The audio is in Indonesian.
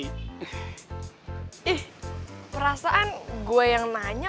ih perasaan gue yang nanya